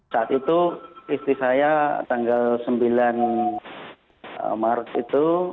saat itu istri saya tanggal sembilan maret itu